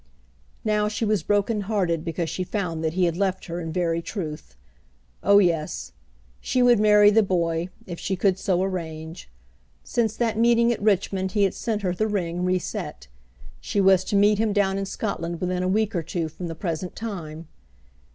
Now she was broken hearted because she found that he had left her in very truth. Oh yes; she would marry the boy, if she could so arrange. Since that meeting at Richmond he had sent her the ring reset. She was to meet him down in Scotland within a week or two from the present time.